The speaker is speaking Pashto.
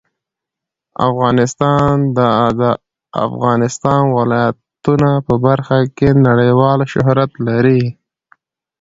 افغانستان د د افغانستان ولايتونه په برخه کې نړیوال شهرت لري.